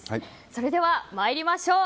それでは参りましょう。